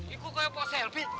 itu kayak apa selfie